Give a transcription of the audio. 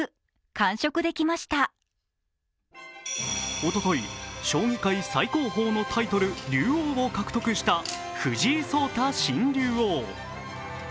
おととい、将棋界最高峰のタイトル、竜王を獲得した藤井聡太新竜王。